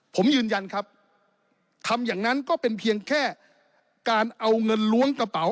ผมยืนยันครับทำอย่างนั้นก็เป็นเพียงแค่การเอาเงินล้วงกระเป๋า